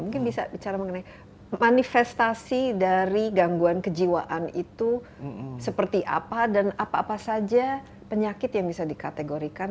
mungkin bisa bicara mengenai manifestasi dari gangguan kejiwaan itu seperti apa dan apa apa saja penyakit yang bisa dikategorikan